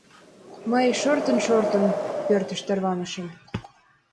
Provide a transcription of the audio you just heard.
Мый, шортын-шортын, пӧртыш тарванышым.